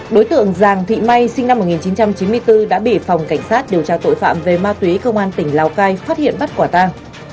đối tượng giàng thị may sinh năm một nghìn chín trăm chín mươi bốn đã bị phòng cảnh sát điều tra tội phạm về ma túy công an tỉnh lào cai phát hiện bắt quả ta